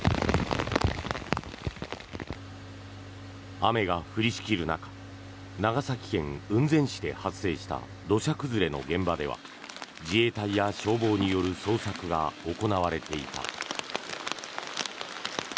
雨が降りしきる中長崎県雲仙市で発生した土砂崩れの現場では自衛隊や消防による捜索が行われていた。